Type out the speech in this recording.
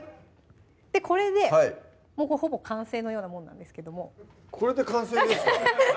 これでもうほぼ完成のようなもんなんですけどもこれで完成ですか？